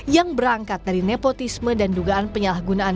yang berangkat dari nepotisme dan dugaan penyalahgunaan